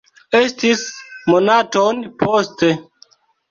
Estis monaton poste.